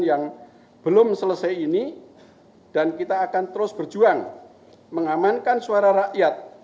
yang belum selesai ini dan kita akan terus berjuang mengamankan suara rakyat